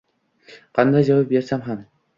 Qanday javob bersam ham.